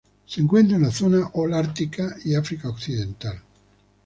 Se encuentra en la zona holártica y África occidental.